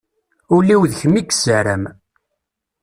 Ul-iw d kem i yessaram.